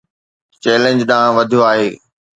challenge ڏانهن وڌيو آهي